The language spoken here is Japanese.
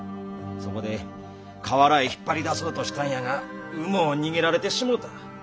そこで河原へ引っ張り出そうとしたんやがうもう逃げられてしもた。